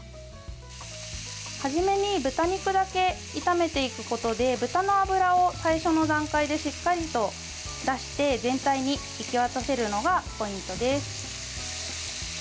初めに豚肉だけ炒めていくことで豚の脂を最初の段階でしっかりと出して全体に行き渡らせるのがポイントです。